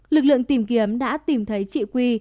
lực lượng tìm kiếm đã tìm thấy chị quy